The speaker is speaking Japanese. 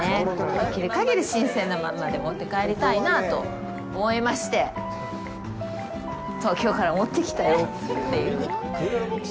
できる限り新鮮なまんまで持って帰りたいなと思いまして東京から持ってきたよっていう。